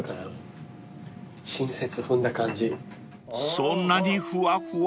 ［そんなにふわふわ？］